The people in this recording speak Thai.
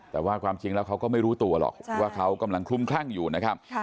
แต่ว่าความจริงแล้วเขาก็ไม่รู้ตัวหรอกว่าเขากำลังคลุมคลั่งอยู่นะครับ